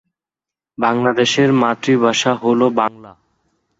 দলে তিনি মূলতঃ ডানহাতি উদ্বোধনী ব্যাটসম্যান হিসেবে খেলে থাকেন।